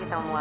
ya aku juga